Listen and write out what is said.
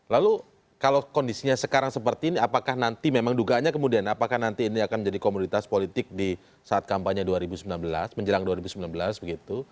lalu kalau kondisinya sekarang seperti ini apakah nanti memang dugaannya kemudian apakah nanti ini akan menjadi komoditas politik di saat kampanye dua ribu sembilan belas menjelang dua ribu sembilan belas begitu